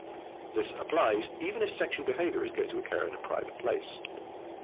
This applies even if sexual behavior is going to occur in a private place.